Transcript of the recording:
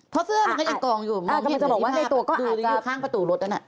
เพราะเสื้อมันก็ยังกองอยู่มองเห็นเหมือนที่ภาพดูข้างประตูรถอะนะ